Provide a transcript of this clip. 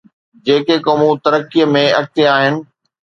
جيڪي قومون ترقيءَ ۾ اڳتي آهن.